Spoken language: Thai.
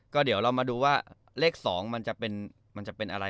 ก็เดี๋ยวเรามาดูว่าเลข๒มันจะเป็นอะไร